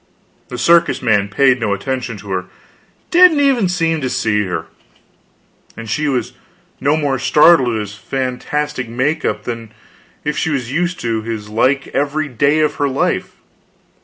The circus man paid no attention to her; didn't even seem to see her. And she she was no more startled at his fantastic make up than if she was used to his like every day of her life.